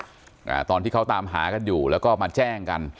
อ่าตอนที่เขาตามหากันอยู่แล้วก็มาแจ้งกัน